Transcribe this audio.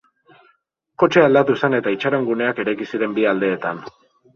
Kotxea aldatu zen eta itxaron guneak eraiki ziren bi aldeetan.